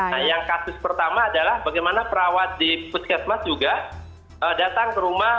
nah yang kasus pertama adalah bagaimana perawat di puskesmas juga datang ke rumah